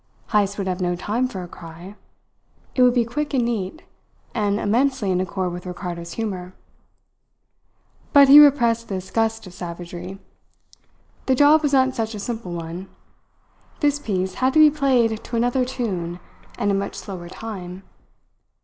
Heyst would have no time for a cry. It would be quick and neat, and immensely in accord with Ricardo's humour. But he repressed this gust of savagery. The job was not such a simple one. This piece had to be played to another tune, and in much slower time.